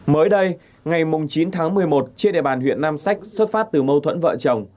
mới đây ngày chín tháng một mươi một trên địa bàn huyện nam sách xuất phát từ mâu thuẫn vợ chồng